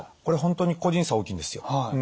これ本当に個人差大きいんですよ。